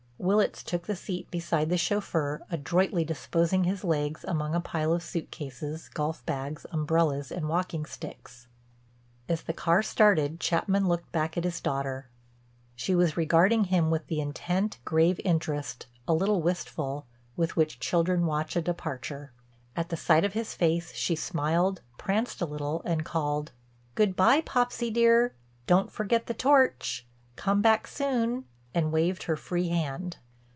Willitts took the seat beside the chauffeur, adroitly disposing his legs among a pile of suitcases, golf bags, umbrellas and walking sticks. As the car started Chapman looked back at his daughter. She was regarding him with the intent, grave interest, a little wistful, with which children watch a departure. At the sight of his face, she smiled, pranced a little, and called: "Good by, Popsy dear. Don't forget the torch. Come back soon," and waved her free hand.